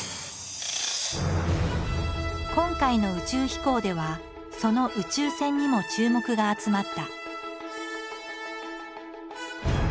今回の宇宙飛行ではその宇宙船にも注目が集まった。